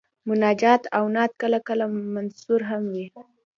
مناجات او نعت کله کله منثور هم وي.